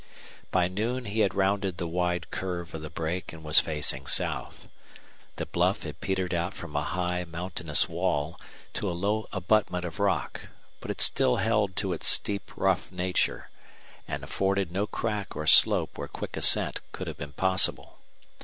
By noon he had rounded the wide curve of the brake and was facing south. The bluff had petered out from a high, mountainous wall to a low abutment of rock, but it still held to its steep, rough nature and afforded no crack or slope where quick ascent could have been possible.